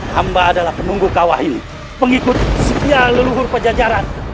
hamba adalah penunggu kawah ini pengikut setia leluhur pajajaran